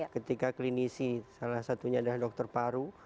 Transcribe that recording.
ketika klinisi salah satunya adalah dokter paru